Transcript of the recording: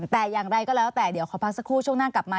แต่อย่างไรก็แล้วแต่เดี๋ยวขอพักสักครู่ช่วงหน้ากลับมา